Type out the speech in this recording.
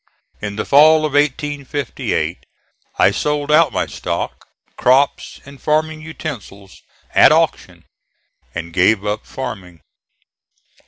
In the fall of 1858 I sold out my stock, crops and farming utensils at auction, and gave up farming.